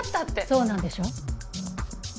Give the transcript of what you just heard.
そうなんでしょ？